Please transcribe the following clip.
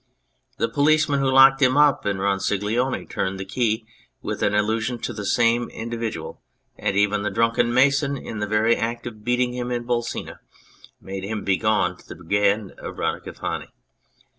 The policeman who locked him up in Ronciglione turned the key with an allusion to the same individual, and even the drunken mason in the very act of beating him in Bolsena bade him begone to the Brigand of Radico fani.